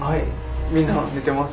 みんな寝てます。